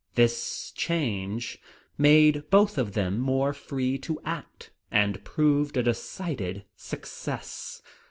This change made both of them more free to act, and proved a decided success.